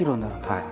はい。